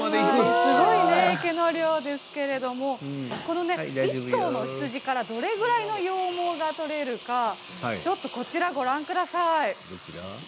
すごい毛の量ですけれども１頭の羊からどれぐらいの羊毛が取れるかこちらをご覧ください。